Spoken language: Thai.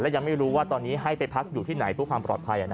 ยังไม่รู้ว่าตอนนี้ให้ไปพักอยู่ที่ไหนเพื่อความปลอดภัย